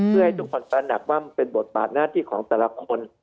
เพื่อให้ทุกคนตระหนักว่ามันเป็นบทบาทหน้าที่ของแต่ละคน